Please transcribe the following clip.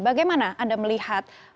bagaimana anda melihat